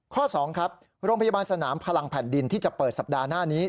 ข้อ๒ครับโรงพยาบาลสนามพลังแผ่นดินที่จะเปิดสัปดาห์หน้านี้